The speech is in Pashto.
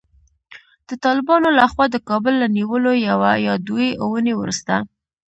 د طالبانو له خوا د کابل له نیولو یوه یا دوې اوونۍ وروسته